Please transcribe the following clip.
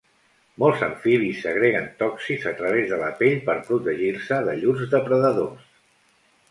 Molts amfibis segreguen tòxics a través de la pell per protegir-se de llurs depredadors.